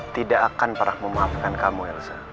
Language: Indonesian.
tidak akan pernah memaafkan kamu elsa